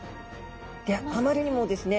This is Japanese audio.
であまりにもですね